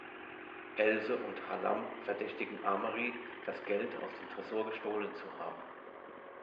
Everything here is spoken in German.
Else und Hallam verdächtigen Amery, das Geld aus dem Tresor gestohlen zu haben.